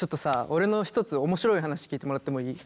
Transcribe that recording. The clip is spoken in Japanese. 俺の一つ面白い話聞いてもらってもいい？